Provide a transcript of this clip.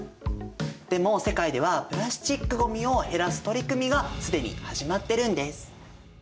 でも世界ではプラスチックごみを減らす取り組みが既に始まってるんです。